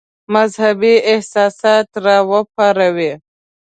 مذهبي احساسات را وپاروي.